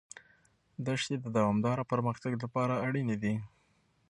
دښتې د دوامداره پرمختګ لپاره اړینې دي.